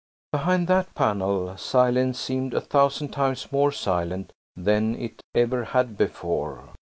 Behind that panel silence seemed a thousand times more silent that it ever had before.